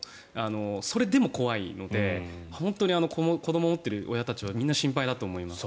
それでも怖いので本当に子どもを持ってる親たちは心配だと思います。